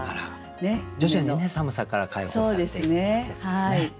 徐々に寒さから解放されていく季節ですね。